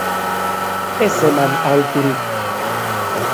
Ez eman aholkurik.